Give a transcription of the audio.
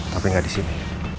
tapi nggak di sini